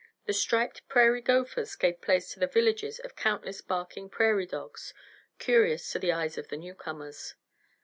The striped prairie gophers gave place to the villages of countless barking prairie dogs, curious to the eyes of the newcomers.